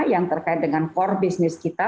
yang terkait dengan core business kita